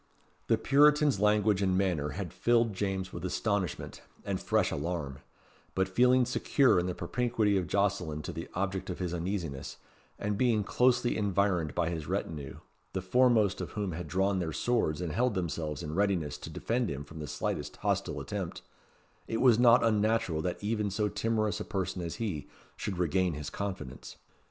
The Puritan's language and manner had filled James with astonishment and fresh alarm; but feeling secure in the propinquity of Jocelyn to the object of his uneasiness, and being closely environed by his retinue, the foremost of whom had drawn their swords and held themselves in readiness to defend him from the slightest hostile attempt, it was not unnatural that even so timorous a person as he, should regain his confidence.